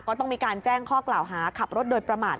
ก็ต้องมีการแจ้งข้อกล่าวหาขับรถโดยประมาท